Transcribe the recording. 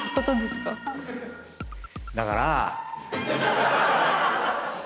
だから！